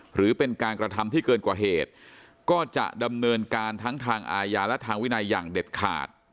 หรือเป็นการกระทำที่เกินกว่าเหตุก็จะดำเนินการทั้งทางอาญาและทางวินัยอย่างเด็ดขาด